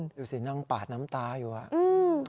อยู่สินั่งปาดน้ำตาอยู่